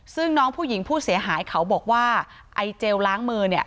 ซึ่งน้องผู้หญิงผู้เสียหายเขาบอกว่าไอเจลล้างมือเนี่ย